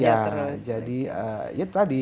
iya jadi itu tadi